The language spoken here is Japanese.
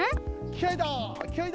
きあいだ！